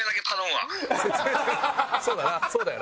そうだなそうだよな。